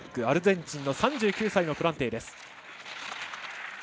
アルゼンチンの３９歳のプランテイです。